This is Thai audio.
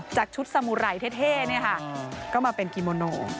จากชุดสมุไรเท่เนี่ยค่ะก็มาเป็นกิโมโน